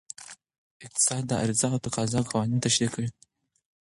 اقتصاد د عرضه او تقاضا قوانین تشریح کوي.